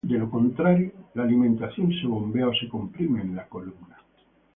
De lo contrario, la alimentación se bombea o se comprime en la columna.